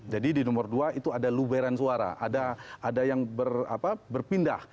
jadi di nomor dua itu ada luberan suara ada yang berpindah